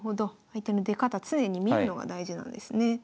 相手の出方常に見るのが大事なんですね。